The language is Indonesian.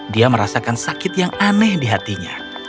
dia merasakan sakit yang aneh di hatinya